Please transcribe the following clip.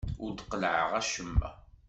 Ur d-qellɛeɣ acemma.